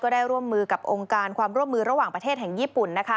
ได้ร่วมมือกับองค์การความร่วมมือระหว่างประเทศแห่งญี่ปุ่น